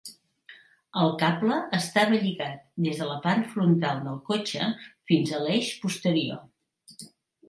El cable estava lligat des de la part frontal del cotxe fins a l'eix posterior.